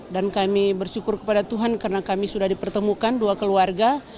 dan kami bersyukur kepada tuhan karena kami sudah dipertemukan dua keluarga